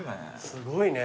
すごいね。